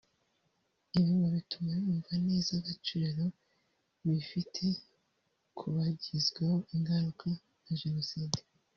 Ibi ngo bituma yumva neza agaciro bifite kubagizweho ingaruka na Jenoside